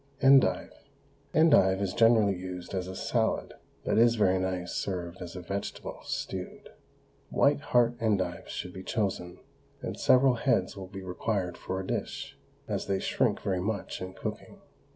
ENDIVE. Endive is generally used as a salad, but is very nice served as a vegetable, stewed. White heart endives should be chosen, and several heads will be required for a dish, as they shrink very much in cooking.